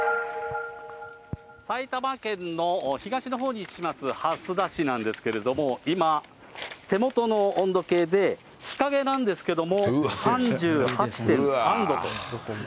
埼玉県の東のほうに位置します蓮田市なんですけれども、今、手元の温度計で、日陰なんですけども、３８．３度と。